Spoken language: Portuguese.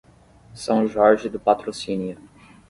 São Jorge do Patrocínio